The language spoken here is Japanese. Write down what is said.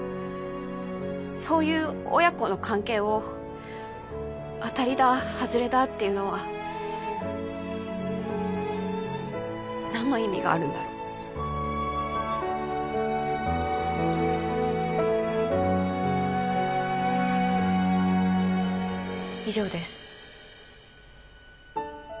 そういう親子の関係を当たりだハズレだっていうのは何の意味があるんだろ以上です